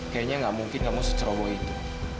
kayaknya gak mungkin kamu seceroboh itu